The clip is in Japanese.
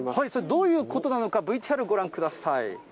どういうことなのか、ＶＴＲご覧ください。